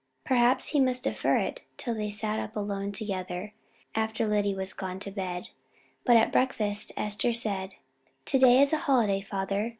Perhaps he must defer it till they sat up alone together, after Lyddy was gone to bed. But at breakfast Esther said "To day is a holiday, father.